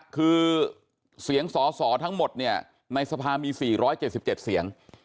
คือเสียงสอสอทั้งหมดเนี่ยในสภามี๔๗๗เสียง